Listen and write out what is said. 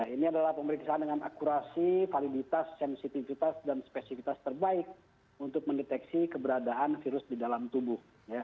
ini adalah pemeriksaan dengan akurasi validitas sensitivitas dan spesifitas terbaik untuk mendeteksi keberadaan virus di dalam tubuh